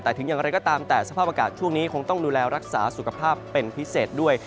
แต่ถึงอย่างไรก็ตามแต่สภาพอากาศช่วงนี้คงต้องดูแลรักษาสุขภาพเป็นพิเศษด้วย